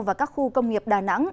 và các khu công nghiệp đà nẵng